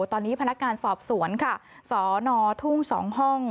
ตอนนี้พนักงานสอบสวนค่ะสนทุ่ง๒ห้อง